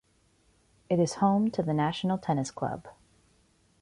It is home to the National Tennis Club.